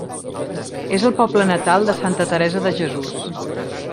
És el poble natal de Santa Teresa de Jesús.